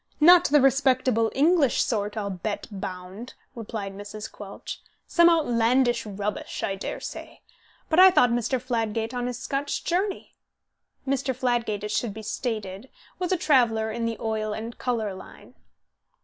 "Not the respectable English sort, I'll bet bound," replied Mrs. Quelch; "some outlandish rubbish, I dare say. But I thought Mr. Fladgate on his Scotch journey." (Mr. Fladgate, it should be stated, was a traveller in the oil and colour line.)